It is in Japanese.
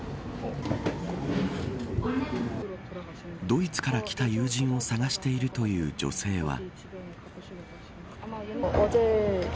ドイツから来た友人を探しているという女性は。